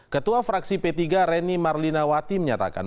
ketua fraksi p tiga reni marlinawati menyatakan